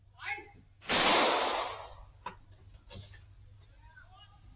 ไหว